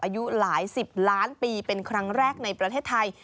อายุหลายสิบล้านปีเป็นครั้งแรกในประเทศไทย